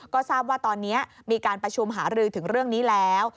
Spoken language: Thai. ก็ทราบว่าตอนนี้มีการประชุมหารือถึงเรื่องนี้แล้ว